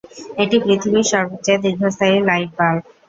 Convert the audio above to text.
এটি পৃথিবীর সবচেয়ে দীর্ঘস্থায়ী লাইট বাল্ব।